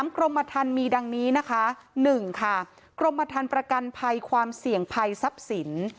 กรมทันมีดังนี้นะคะ๑ค่ะกรมทันประกันภัยความเสี่ยงภัยทรัพย์สิน